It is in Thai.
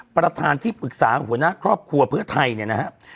ประธานที่ปรึกษาหัวหน้าครอบครัวเพื่อไทยเนี่ยนะครับ